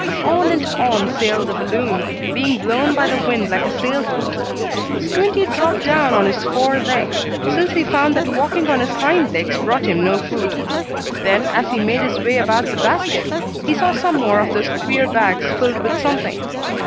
On and on sailed the balloon, being blown by the wind like a sailboat. Squinty dropped down on his four legs, since he found that walking on his hind ones brought him no food. Then, as he made his way about the basket, he saw some more of those queer bags filled with something.